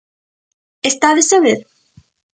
Estades a ver?